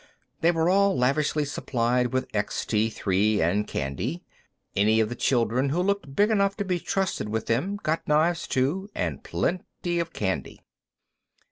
They were all lavishly supplied with Extee Three and candy. Any of the children who looked big enough to be trusted with them got knives too, and plenty of candy.